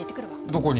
どこに？